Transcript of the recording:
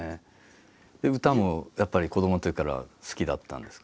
歌もやっぱり子どものときから好きだったんですか？